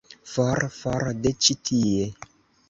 For, for de ĉi tie!